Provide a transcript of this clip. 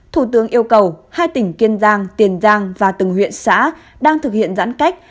thủ tướng yêu cầu hai tỉnh kiên giang tiền giang và từng huyện xã đang thực hiện giãn cách